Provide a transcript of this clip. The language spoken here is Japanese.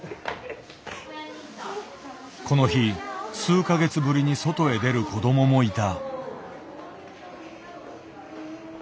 この日数か月ぶりに外へ出る子どももいた。